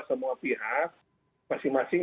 semua pihak masing masing